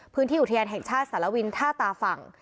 พื้นที่อุทยานแห่งชาติสารวินท่าตาฝั่ง